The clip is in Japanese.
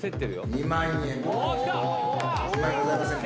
２万円ございませんか？